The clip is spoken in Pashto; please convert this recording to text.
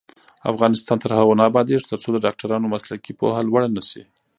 افغانستان تر هغو نه ابادیږي، ترڅو د ډاکټرانو مسلکي پوهه لوړه نشي.